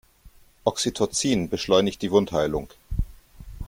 Oxytocin beschleunigt die Wundheilung.